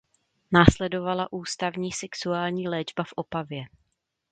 Následovala ústavní sexuální léčba v Opavě.